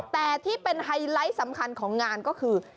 แต่ที่เป็นไฮไลท์สำคัญของงานก็คือ